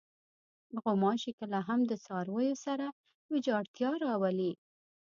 غوماشې کله هم د څارویو سره ویجاړتیا راولي.